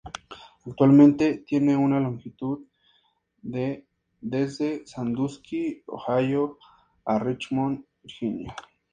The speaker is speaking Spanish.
Actualmente tiene una longitud de desde Sandusky, Ohio a Richmond, Virginia.